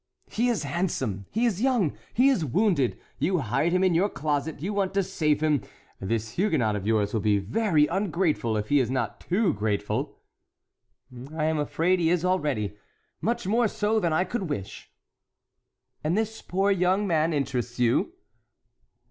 "He is handsome! he is young! he is wounded. You hide him in your closet; you want to save him. This Huguenot of yours will be very ungrateful if he is not too grateful." "I am afraid he is already—much more so than I could wish." "And this poor young man interests you?"